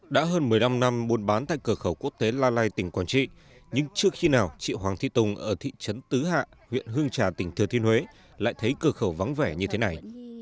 đã hơn một mươi năm năm buôn bán tại cửa khẩu quốc tế la lai tỉnh quảng trị nhưng trước khi nào chị hoàng thị tùng ở thị trấn tứ hạ huyện hương trà tỉnh thừa thiên huế lại thấy cửa khẩu vắng vẻ như thế này